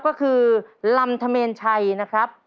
ก็คือลำธเมนชัยนะครับ